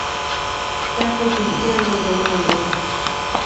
Tatu Christiano Ronaldo